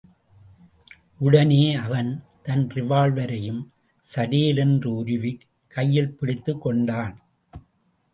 உடனே அவன் தன் ரிவால்வரையும் சரேலென்று உருவிக் கையில் பிடித்துக் கொண்டான்.